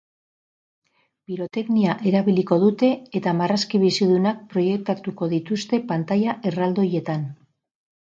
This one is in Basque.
Piroteknia erabiliko dute eta marrazki bizidunak proiektatuko dituzte pantaila erraldoietan.